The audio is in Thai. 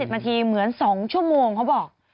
นาทีเหมือน๒ชั่วโมงเขาบอก